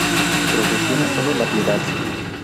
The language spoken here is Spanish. Procesiona sólo la "Piedad".